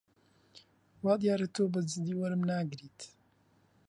وا دیارە تۆ بە جددی وەرم ناگریت.